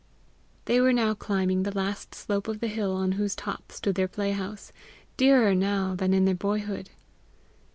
They were now climbing the last slope of the hill on whose top stood their playhouse, dearer now than in their boyhood.